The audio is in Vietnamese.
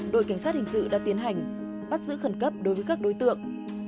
đội cảnh sát hình sự đã tiến hành bắt giữ khẩn cấp đối với các đối tượng